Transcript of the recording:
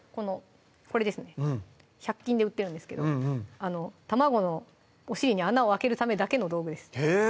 これですね１００均で売ってるんですけど卵のお尻に穴を開けるためだけの道具です